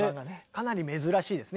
かなり珍しいですね